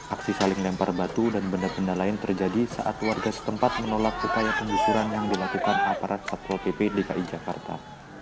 aksi saling lempar batu dan benda benda lain terjadi saat warga setempat menolak upaya penggusuran yang dilakukan aparat satpol pp dki jakarta